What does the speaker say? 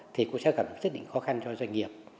thì cũng sẽ gặp một chất định khó khăn cho doanh nghiệp